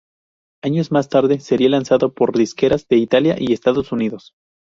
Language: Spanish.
Años más tarde sería lanzado por disqueras de Italia y Estados Unidos.